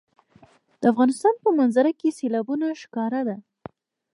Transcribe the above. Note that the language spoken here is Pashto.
د افغانستان په منظره کې سیلابونه ښکاره ده.